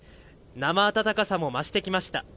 なま暖かさも増してきました。